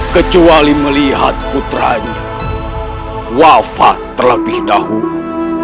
kecuali melihat putranya wafat terlebih dahulu